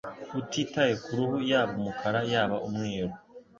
Utitaye ku ruhu yaba umukara yaba umweru